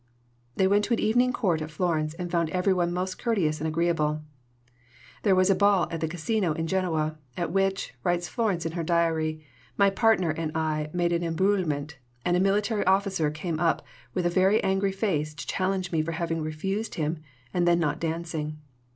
They went to an evening Court at Florence, and found "everyone most courteous and agreeable." There was a ball at the Casino in Genoa, at which, writes Florence in her diary, "my partner and I made an embrouillement, and a military officer came up with a very angry face to challenge me for having refused him and then not dancing."